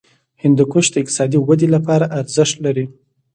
هندوکش د اقتصادي ودې لپاره ارزښت لري.